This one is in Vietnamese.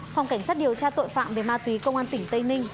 phòng cảnh sát điều tra tội phạm về ma túy công an tỉnh tây ninh